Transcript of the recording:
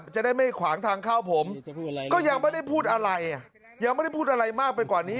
จะได้ไม่ขวางทางเข้าผมก็ยังไม่ได้พูดอะไรยังไม่ได้พูดอะไรมากไปกว่านี้